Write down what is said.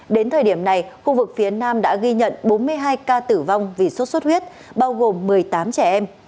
đến thời điểm này khu vực phía nam đã ghi nhận bốn mươi hai ca tử vong vì sốt xuất huyết bao gồm một mươi tám trẻ em